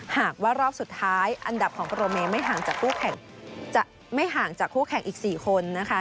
หากว่ารอบสุดท้ายอันดับของโปรเมย์ไม่ห่างจากคู่แข่งอีก๔คนนะคะ